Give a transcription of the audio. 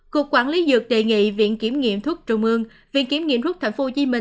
cục quản lý dược đề nghị viện kiểm nghiệm thuốc trung ương viện kiểm nghiệm rút tp hcm